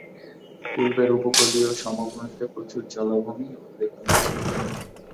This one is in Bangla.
পূর্বের উপকূলীয় সমভূমিতে প্রচুর জলাভূমি ও লেগুন আছে।